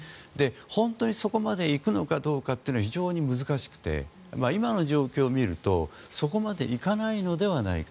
本当にそこまで行くのかどうかというのが非常に難しくて今の状況を見るとそこまで行かないのではないか。